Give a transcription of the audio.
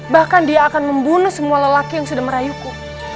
bahkan dia akan membunuh semua lelaki yang sudah merayuku